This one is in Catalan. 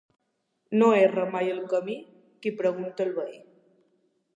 No erra mai el camí qui pregunta al veí.